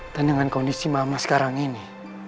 dan dengan kondisi mama sekarang ini